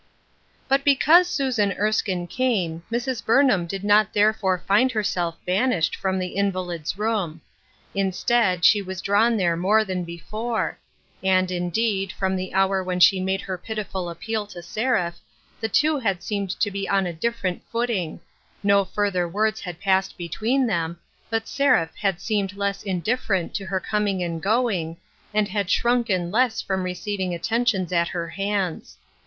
BUT because Susan Erskine came, Mrs. Burn ham did not therefore find herself banished from the invalid's room. Instead, she was drawn there more than before ; and, indeed, from the hour when she made her pitiful appeal to Seraph, the two had seemed to be on a different footing ; no further words had passed between them, but Seraph had seemed less indifferent to her coming and going, and had shrunken less from receiv ing attentions at her hands.